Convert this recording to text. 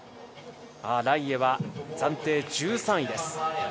ライエは暫定１３位です。